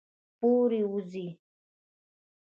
پورې ، وځي